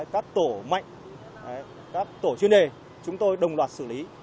các tổ mạnh các tổ chuyên đề chúng tôi đồng loạt xử lý